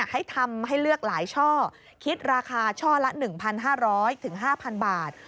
ให้ทำให้เลือกหลายช่อคิดราคาช่อละ๑๕๐๐๕๐๐บาท